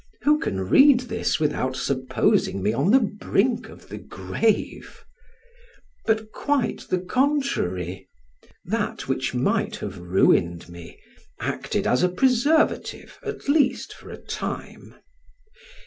Who can read this without supposing me on the brink of the grave? But quite the contrary; that which might have ruined me, acted as a preservative, at least for a time.